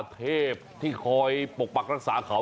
เทพที่คอยปกปักรักษาเขา